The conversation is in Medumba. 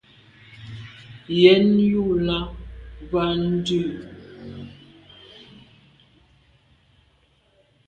Yen ju là be à ndù.